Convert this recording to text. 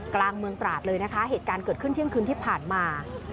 กลางเมืองตราดเลยนะคะเหตุการณ์เกิดขึ้นเที่ยงคืนที่ผ่านมา